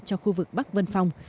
cho khu vực bắc vân phong